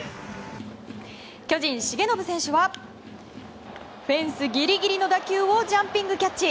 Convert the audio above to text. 巨人、重信選手はフェンスギリギリの打球をジャンピングキャッチ。